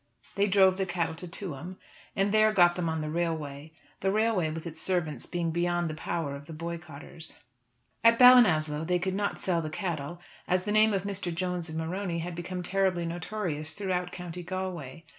They drove the cattle to Tuam, and there got them on the railway, the railway with its servants being beyond the power of the boycotters. At Ballinasloe they could not sell the cattle, as the name of Mr. Jones of Morony had become terribly notorious throughout County Galway.